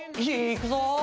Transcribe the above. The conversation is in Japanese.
いくぞ！